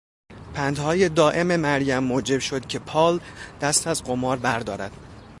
پندهای دائم مریم موجب شد که پال دست از قمار بردارد.